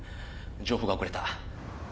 情報が遅れた。